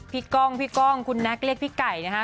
ก้องพี่ก้องคุณแน็กเรียกพี่ไก่นะฮะ